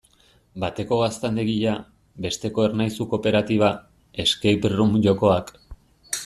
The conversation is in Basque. Bateko gaztandegia, besteko Ernaizu kooperatiba, escape-room jokoak...